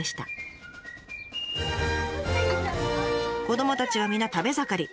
子どもたちは皆食べ盛り。